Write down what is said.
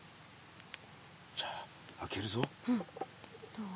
どう？